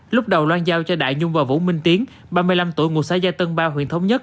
lúc đầu loan giao cho đại nhung và vũ minh tiến ba mươi năm tuổi ngụ xã gia tân ba huyện thống nhất